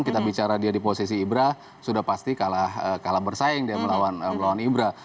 kita bicara dia di posisi ibra sudah pasti kalah bersaing dia melawan ibra